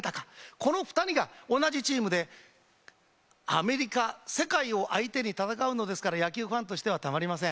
この２人が同じチームでアメリカ、世界を相手に戦うのですから、野球ファンとしてはたまりません。